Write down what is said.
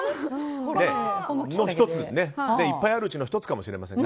いっぱいあるうちの１つかもしれません。